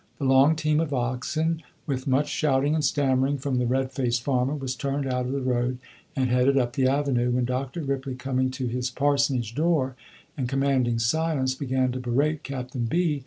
The long team of oxen, with much shouting and stammering from the red faced farmer, was turned out of the road and headed up the avenue, when Dr. Ripley, coming to his parsonage door, and commanding silence, began to berate Captain B.